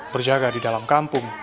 berjaga di dalam kampung